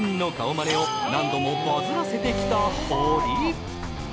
まねを何度もバズらせてきたホリ。